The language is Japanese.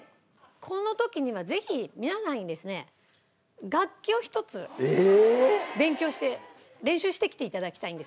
この時にはぜひ皆さんにですね楽器を１つ勉強して練習してきて頂きたいんですよ。